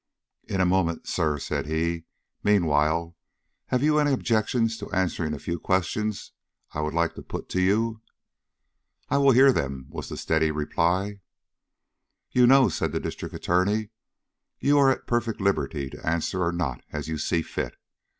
"In a moment, sir," said he. "Meanwhile, have you any objections to answering a few questions I would like to put to you?" "I will hear them," was the steady reply. "You know," said the District Attorney, "you are at perfect liberty to answer or not, as you see fit.